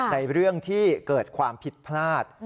ในเรื่องที่เกิดความผิดพลาด